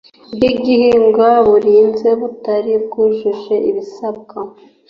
bw igihingwa burinzwe butari bwujuje ibisabwa